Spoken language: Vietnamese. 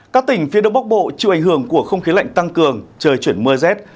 các tỉnh phía đông bắc bộ chịu ảnh hưởng của không khí lạnh tăng cường trời chuyển mưa rét